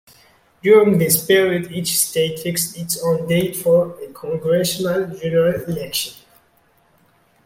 During this period, each state fixed its own date for a congressional general election.